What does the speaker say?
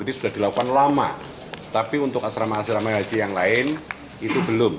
jadi sudah dilakukan lama tapi untuk asrama haji yang lain itu belum